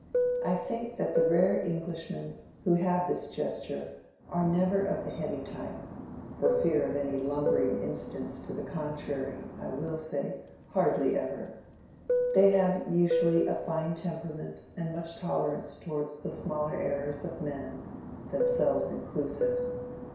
I think that the rare Englishmen who have this gesture are never of the heavy type—for fear of any lumbering instance to the contrary, I will say, hardly ever; they have usually a fine temperament and much tolerance towards the smaller errors of men (themselves inclusive).